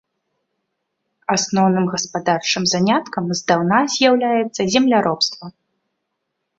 Асноўным гаспадарчым заняткам здаўна з'яўляецца земляробства.